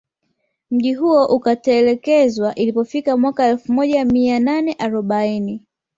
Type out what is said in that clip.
Mji huo ukatelekezwa ilipofika mwaka elfu moja mia nane arobaini